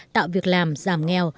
tạo việc làm giảm nghèo